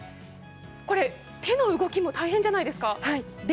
これ、手の動きも大変じゃないですか？